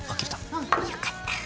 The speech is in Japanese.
うんよかった。